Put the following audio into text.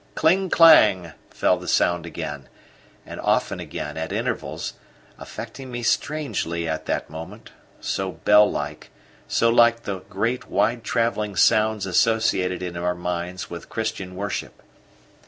KLING KLANG fell the sound again, and often again, at intervals, affecting me strangely at that moment, so bell like, so like the great wide travelling sounds associated in our minds with Christian worship.